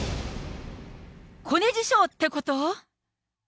コネ受賞ってこと？